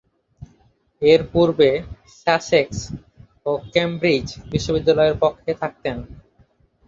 এরপূর্বে সাসেক্স ও কেমব্রিজ বিশ্ববিদ্যালয়ের পক্ষে খেলতেন।